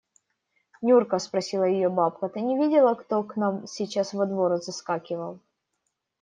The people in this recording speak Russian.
– Нюрка, – спросила ее бабка, – ты не видала, кто к нам сейчас во двор заскакивал?